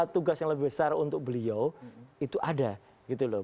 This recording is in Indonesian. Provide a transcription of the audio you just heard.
tugas yang lebih besar untuk beliau itu ada gitu loh